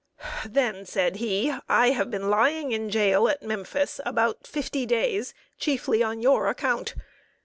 ] "Then," said he, "I have been lying in jail at Memphis about fifty days chiefly on your account!